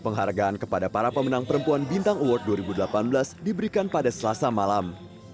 penghargaan kepada para pemenang perempuan bintang award dua ribu delapan belas diberikan pada selasa malam